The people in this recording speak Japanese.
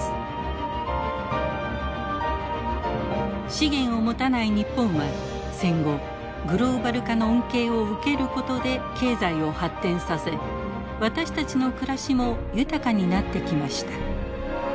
資源を持たない日本は戦後グローバル化の恩恵を受けることで経済を発展させ私たちの暮らしも豊かになってきました。